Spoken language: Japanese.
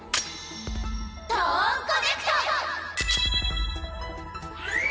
トーンコネクト！